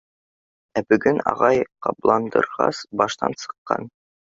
Ә бөгөн ағай ҡабаландырғас, баштан сыҡҡан.